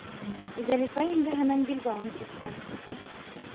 Зәлифә еңгәһенең билбауын систе.